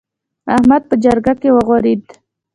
احمد په جرګه کې وغورېد.